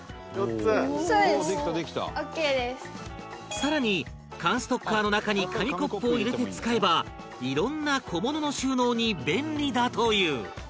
更に缶ストッカーの中に紙コップを入れて使えばいろんな小物の収納に便利だという